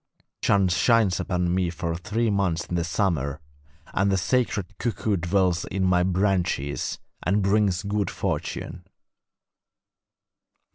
The warm sun shines upon me for three months in the summer, and the sacred cuckoo dwells in my branches and brings good fortune.'